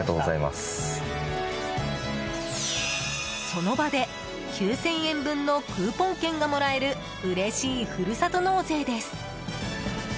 その場で９０００円分のクーポン券がもらえるうれしい、ふるさと納税です。